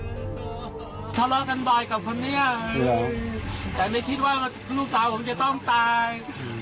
ทะเลาะกันบ่ายกับคนนี้แต่ไม่คิดว่าลูกสาวผมจะต้องตาย